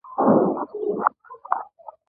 کائنات یو واحد روح لري.